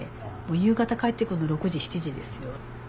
夕方帰って来るの６時７時ですよ。